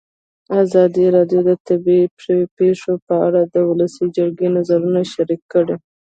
ازادي راډیو د طبیعي پېښې په اړه د ولسي جرګې نظرونه شریک کړي.